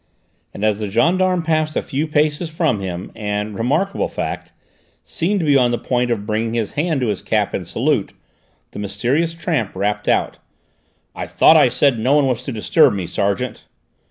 And as the gendarme paused a few paces from him and remarkable fact seemed to be on the point of bringing his hand to his cap in salute, the mysterious tramp rapped out: "I thought I said no one was to disturb me, sergeant?"